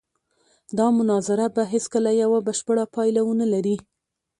دا مناظره به هېڅکله یوه بشپړه پایله ونه لري.